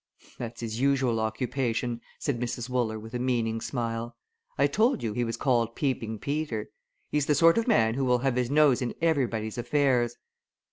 "That's his usual occupation," said Mrs. Wooler, with a meaning smile. "I told you he was called Peeping Peter. He's the sort of man who will have his nose in everybody's affairs.